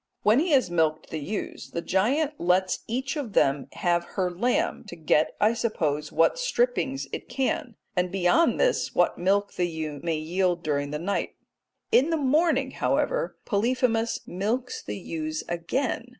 When he has milked the ewes, the giant lets each one of them have her lamb to get, I suppose, what strippings it can, and beyond this what milk the ewe may yield during the night. In the morning, however, Polyphemus milks the ewes again.